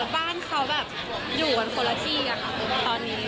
บ้านเขาแบบอยู่กันคนละที่ค่ะตอนนี้